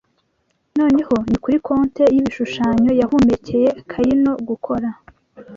Noneho ni kuri konte yibishusho yahumekeye Kayino gukora,